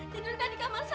tidurkan di kamar saya pak